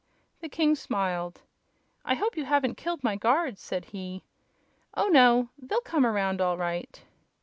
The king smiled. "I hope you haven't killed my guards," said he. "Oh, no; they'll come around all right."